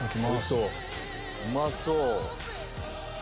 うまそう。